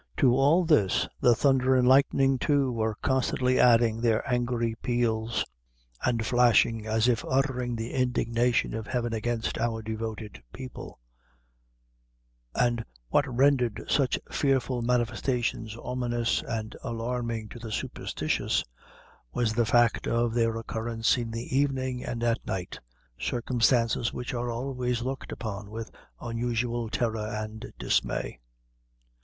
To all this, the thunder and lightning too, were constantly adding their angry peals, and flashing, as if uttering the indignation of Heaven against our devoted people; and what rendered such fearful manifestations ominous and alarming to the superstitious, was the fact of their occurrence in the evening and at night circumstances which are always looked upon With unusual terror and dismay.